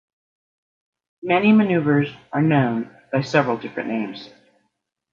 Many maneuvers are known by several different names.